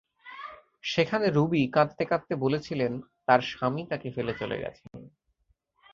সেখানে রুবী কাঁদতে কাঁদতে বলছিলেন, তাঁর স্বামী তাঁকে ফেলে চলে গেছেন।